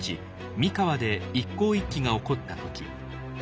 三河で一向一揆が起こった時。